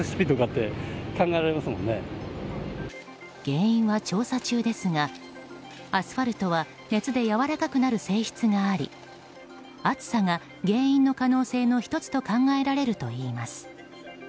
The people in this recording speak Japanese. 原因は調査中ですがアスファルトは熱でやわらかくなる性質があり暑さが原因の可能性の１つと考えられるといいます。